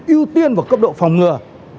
ưu tiên vào cấp độ phòng ngừa